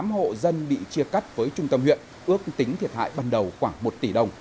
một trăm hai mươi tám hộ dân bị chia cắt với trung tâm huyện ước tính thiệt hại ban đầu khoảng một tỷ đồng